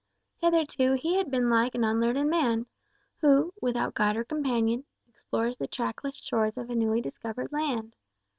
Hitherto he had been like an unlearned man, who, without guide or companion, explores the trackless shores of a newly discovered land.